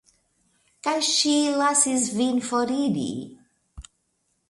Kaj ŝi lasis vin foriri?